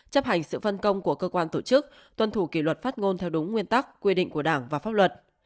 chấp hành sự phân công của cơ quan tổ chức tuân thủ kỷ luật phát ngôn theo đúng nguyên tắc quy định của đảng và pháp luật